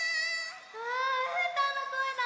あうーたんのこえだ！